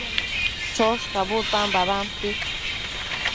choshcabud babampi